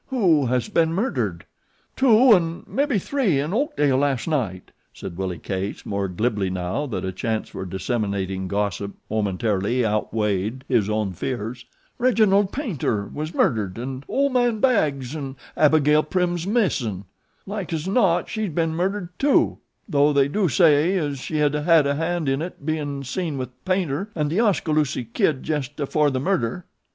"Who has been murdered?" "Two an' mebby three in Oakdale last night," said Willie Case more glibly now that a chance for disseminating gossip momentarily outweighed his own fears. "Reginald Paynter was murdered an' ol' man Baggs an' Abigail Prim's missin'. Like es not she's been murdered too, though they do say as she had a hand in it, bein' seen with Paynter an' The Oskaloosie Kid jest afore the murder."